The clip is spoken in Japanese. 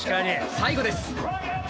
最後です。